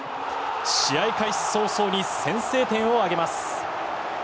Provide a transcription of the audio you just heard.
試合開始早々に先制点を挙げます。